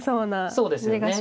そうですよね。